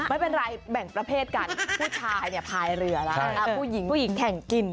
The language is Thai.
ไม่เป็นไรแบ่งประเภทกันผู้ชายเนี่ยพายเรือแล้วผู้หญิงผู้หญิงแข่งกิน